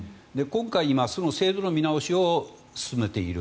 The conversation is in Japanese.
今回、その制度の見直しを進めている。